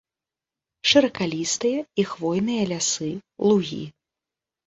Шыракалістыя і хвойныя лясы, лугі.